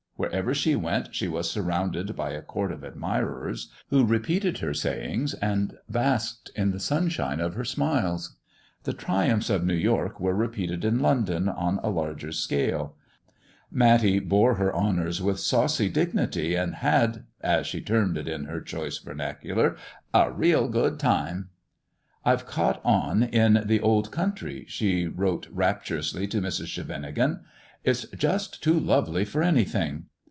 Wherever she went she was surrounded by a court of admirers, who repeated her sayings and basked in the sunshine of her smiles. The triumphs of New York were repeated in London on a larger scale. Matty bore her honoiu*s with saucy dignity, and had — as she termed it in her choice vernacular —a real good time." " I've caught on in the old country,'* she wrote rap tiu'ously to Mrs. Scheveningen. " It's just too lovely for anything